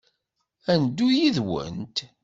Ad neddu yid-went.